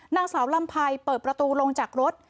นางสาวลำไพรเปิดประตูลงจากรถ